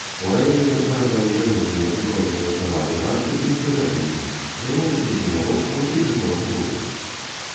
У раёне выраблялі жалезныя і бронзавыя прылады працы і ўпрыгажэнні, займалася земляробствам і жывёлагадоўляй.